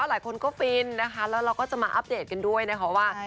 แล้วเราก็จะมาอัปเดตกันด้วยนะครับว่า